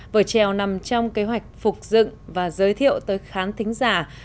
vở trèo nằm trong kế hoạch phục dựng và giới thiệu tới kháng tính giả